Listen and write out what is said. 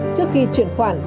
trước khi chuyển khoản